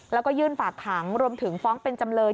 แล้วก็ยื่นฝากขังรวมถึงฟ้องเป็นจำเลย